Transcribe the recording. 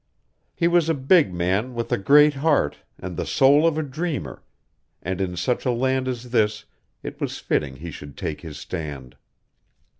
He was a big man with a great heart and the soul of a dreamer, and in such a land as this it was fitting he should take his stand.